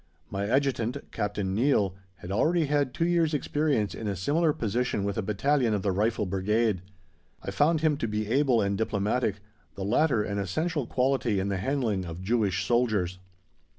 My Adjutant, Captain Neill, had already had two years' experience in a similar position with a battalion of the Rifle Brigade. I found him to be able and diplomatic the latter an essential quality in the handling of Jewish soldiers.